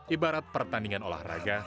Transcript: ibarat pertandingan olahraga